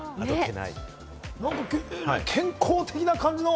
健康的な感じの。